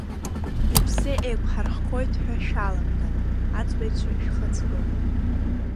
Иԥсы еиқәҳархоит ҳәа шәаламган, аӡбаҩцәа шәхаҵкы.